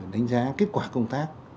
đánh giá kết quả công tác